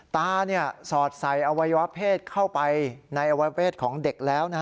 ตาสอดใส่อวัยวะเพศเข้าไปในอวัยเพศของเด็กแล้ว